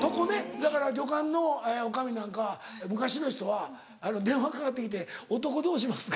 だから旅館の女将なんか昔の人は電話かかって来て「お床どうしますか」